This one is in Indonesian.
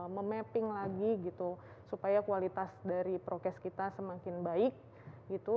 memapping lagi gitu supaya kualitas dari prokes kita semakin baik gitu